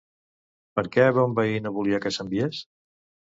Per què Bonvehí no volia que s'enviés?